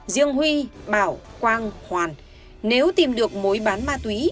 riêng huy bảo quang hoàn nếu tìm được mối bán ma túy